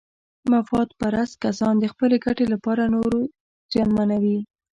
مفاد پرست کسان د خپلې ګټې لپاره نور زیانمنوي.